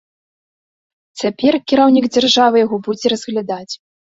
Цяпер кіраўнік дзяржавы яго будзе разглядаць.